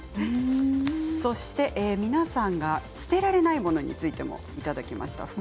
そして皆さんが捨てられないものについてもいただきました。